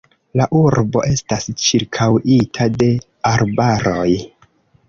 La urbo estas ĉirkaŭita de arbaroj.